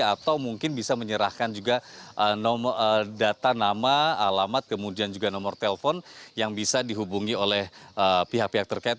atau mungkin bisa menyerahkan juga data nama alamat kemudian juga nomor telepon yang bisa dihubungi oleh pihak pihak terkait